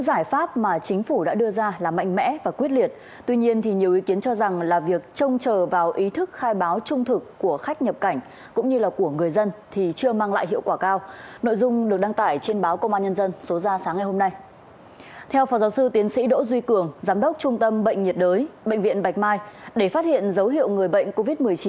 giám đốc trung tâm bệnh nhiệt đới bệnh viện bạch mai để phát hiện dấu hiệu người bệnh covid một mươi chín